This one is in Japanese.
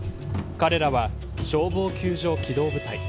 彼らは消防救助機動部隊。